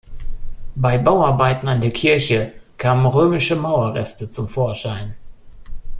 Bei Bauarbeiten an der Kirche kamen römische Mauerreste zum Vorschein.